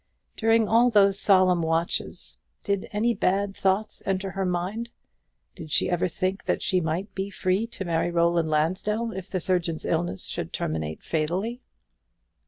During all those solemn watches did any bad thoughts enter her mind? did she ever think that she might be free to marry Roland Lansdell if the surgeon's illness should terminate fatally?